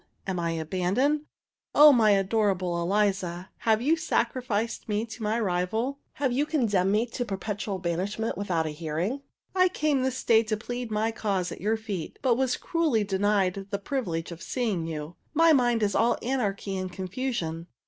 am I abandoned? O my adorable Eliza, have you sacrificed me to my rival? have you condemned me to perpetual banishment without a hearing? "I came this day to plead my cause at your feet, but was cruelly denied the privilege of seeing you. My mind is all anarchy and confusion.